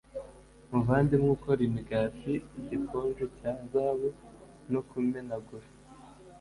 Muvandimwe ukora imigati igikonjo cya zahabu no kumenagura